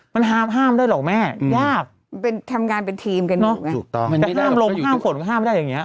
มันห้ามห้ามได้หรอกแม่ยากเป็นทำงานเป็นทีมกันเนอะถูกต้องแต่ห้ามลงห้ามฝนก็ห้ามไม่ได้อย่างเงี้ย